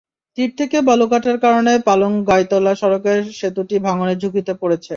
তীর থেকে বালু কাটার কারণে পালং-গয়াতলা সড়কের সেতুটি ভাঙনের ঝুঁকিতে পড়েছে।